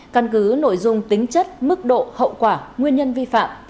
căn cứ nội dung tính chất mức độ hậu quả nguyên nhân vi phạm